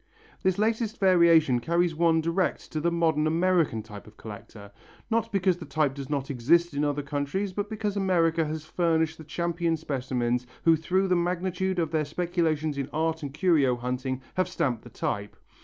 This latest variation carries one direct to the modern American type of collector. Not because the type does not exist in other countries, but because America has furnished the champion specimens who through the magnitude of their speculations in art and curio hunting have stamped the type.